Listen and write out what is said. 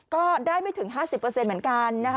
ก็ได้ไม่ถึง๕๐เหมือนกัน